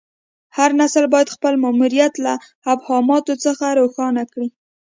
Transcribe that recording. هر نسل باید خپل ماموریت له ابهاماتو څخه روښانه کړي.